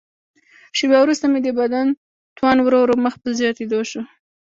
شیبه وروسته مې د بدن توان ورو ورو مخ په ختمېدو شو.